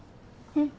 うん。